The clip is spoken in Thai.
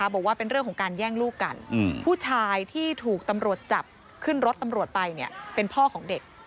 บอกว่าเป็นเรื่องของการแย่งลูกกันผู้ชายที่ถูกตำรวจจับขึ้นรถตำรวจไปเนี่ยเป็นพ่อของเด็ก